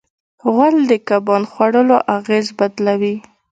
غول د کبان خوړلو اغېز بدلوي.